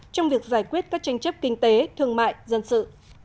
trong việc giải quyết các tranh chấp kinh tế thương mại dân sự